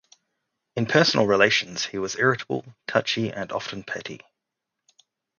In personal relations he was irritable, touchy, and often petty.